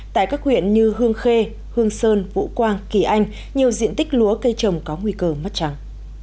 tại các huyện như hương khê hương sơn vũ quang kỳ anh nhiều diện tích lúa cây trồng có nguy cơ mất trắng